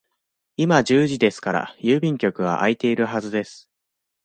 今十時ですから、郵便局は開いているはずです。